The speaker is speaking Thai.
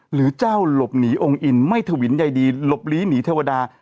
หรือเจ้าหลบหนีองค์อินไม่ถวินใยดีหลบลีหนีเทวดา